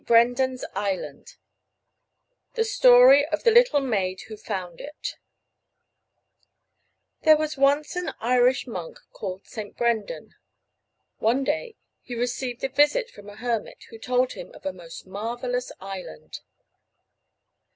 BRENDAN'S ISLAND The Story of the Little Maid Who Found It There was once an Irish monk called St. Brendan. One day he received a visit from a hermit who told him of a most marvelous island.